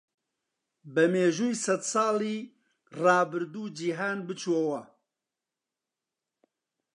بە میژووی سەدساڵی ڕابردوو جیهاند بچۆوە.